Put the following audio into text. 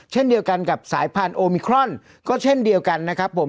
เช่นเดียวกันกับสายพันธุมิครอนก็เช่นเดียวกันนะครับผม